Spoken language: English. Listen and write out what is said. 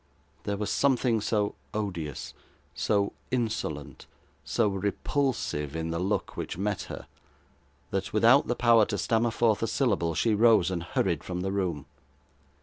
There was something so odious, so insolent, so repulsive in the look which met her, that, without the power to stammer forth a syllable, she rose and hurried from the room.